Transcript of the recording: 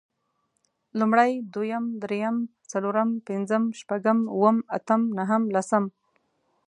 لومړی، دويم، درېيم، څلورم، پنځم، شپږم، اووم، اتم نهم، لسم